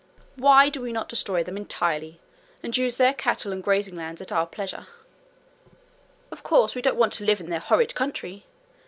Why do we not destroy them entirely, and use their cattle and grazing lands at our pleasure? Of course we don't want to live in their horrid country!